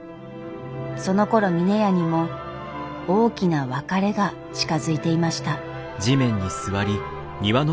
そのころ峰屋にも大きな別れが近づいていました。